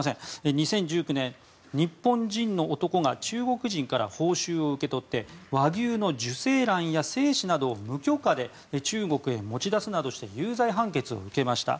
２０１９年、日本人の男が中国人から報酬を受け取って和牛の受精卵や精子などを無許可で中国へ持ち出すなどして有罪判決を受けました。